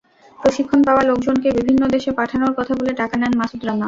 প্রশিক্ষণ পাওয়া লোকজনকে বিভিন্ন দেশে পাঠানোর কথা বলে টাকা নেন মাসুদ রানা।